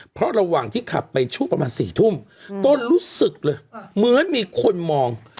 เพราะระหว่างที่ขับไปช่วงประมาณ๔ทุ่มต้นรู้สึกเลยเหมือนมีคนมอง